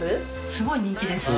すごい人気です。